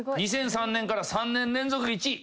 ２００３年から３年連続１位。